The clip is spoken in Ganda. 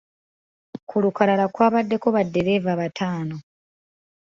Ku lukalala kwabaddeko baddereeva bataano.